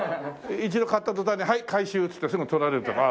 一度買った途端に「はい回収」っつってすぐ取られるとか。